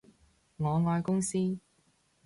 我愛公司